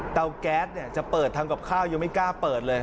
แก๊สจะเปิดทำกับข้าวยังไม่กล้าเปิดเลย